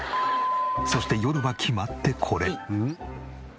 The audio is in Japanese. そして夜は決まってこれ。